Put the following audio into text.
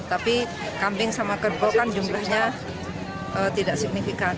tapi kambing sama kerbau kan jumlahnya tidak signifikan